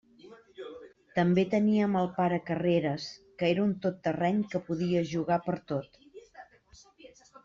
També teníem el pare Carreres, que era un tot terreny que podia jugar pertot.